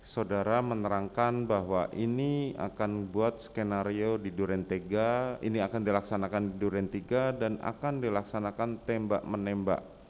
saudara menerangkan bahwa ini akan buat skenario di durantega ini akan dilaksanakan di durantega dan akan dilaksanakan tembak menembak